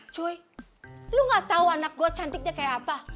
cuy lu gak tau anak gua cantiknya kayak apa